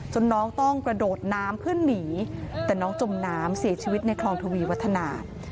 น้องต้องกระโดดน้ำเพื่อหนีแต่น้องจมน้ำเสียชีวิตในคลองทวีวัฒนา